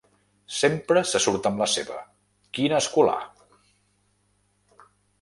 Sempre se surt amb la seva!, quin escolà!